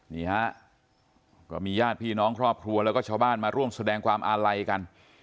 นี่ฮะก็มีญาติพี่น้องครอบครัวแล้วก็ชาวบ้านมาร่วมแสดงความอาลัยกัน